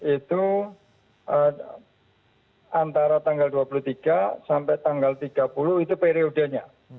itu antara tanggal dua puluh tiga sampai tanggal tiga puluh itu periodenya